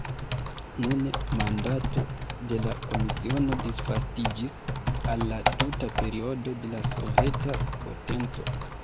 Nune mandato de la komisiono disvastiĝis al la tuta periodo de la soveta potenco.